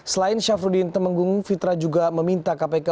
selain syafruddin temenggung fitra juga meminta kpk